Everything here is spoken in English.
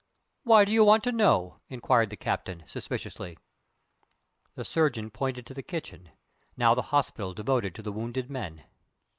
"Why do you want to know?" inquired the captain, suspiciously. The surgeon pointed to the kitchen, now the hospital devoted to the wounded men.